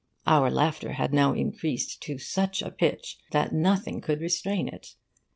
Our laughter had now increased to such a pitch that nothing could restrain it.